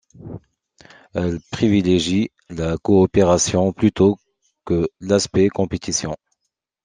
Elle privilégie la coopération plutôt que l’aspect compétition.